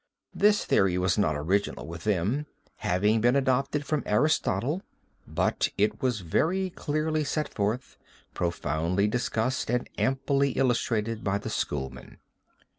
This theory was not original with them, having been adopted from Aristotle, but it was very clearly set forth, profoundly discussed, and amply illustrated by the schoolmen.